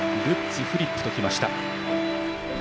ルッツ、フリップときました。